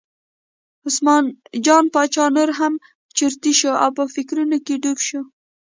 عثمان جان باچا نور هم چرتي شو او په فکرونو کې ډوب شو.